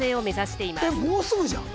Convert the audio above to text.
もうすぐじゃん！